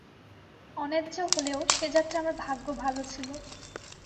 অন্যায্য হলেও সে যাত্রা আমার ভাগ্য ভালো ছিল।